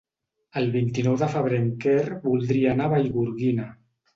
El vint-i-nou de febrer en Quer voldria anar a Vallgorguina.